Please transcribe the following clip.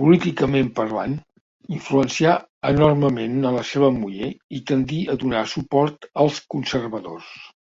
Políticament parlant, influencià enormement a la seva muller i tendí a donar suport als conservadors.